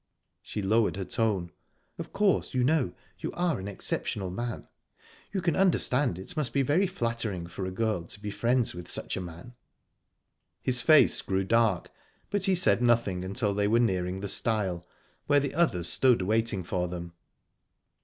She lowered her tone. "Of course, you know you are an exceptional man? You can understand it must be very flattering for a girl to be friends with such a man." His face grew dark, but he said nothing till they were nearing the stile, where the others stood waiting for them.